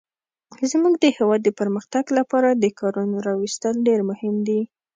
زموږ د هيواد د پرمختګ لپاره د کانونو راويستل ډير مهم دي.